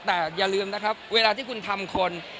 แต่อย่าลืมนะครับเวลาที่คุณทำคน